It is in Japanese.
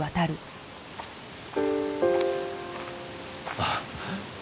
あっ。